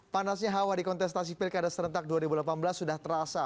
panasnya hawa di kontestasi pilkada serentak dua ribu delapan belas sudah terasa